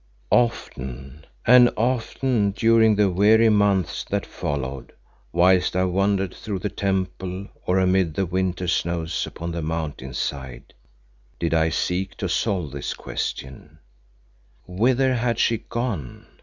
Often and often during the weary months that followed, whilst I wandered through the temple or amid the winter snows upon the Mountain side, did I seek to solve this question Whither had She gone?